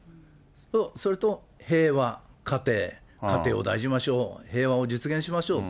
そう、それと平和、家庭、家庭を大事にしましょう、平和を実現しましょう。